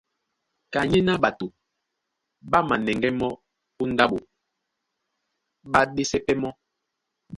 Kanyéná ɓato ɓá manɛŋgɛ́ mɔ́ ó ndáɓo, ɓá ɗésɛ pɛ́ mɔ́.